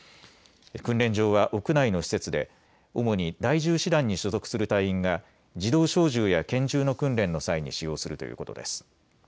訓練場は屋内の施設で主に第１０師団に所属する隊員が自動小銃や拳銃の訓練の際に使用するということです。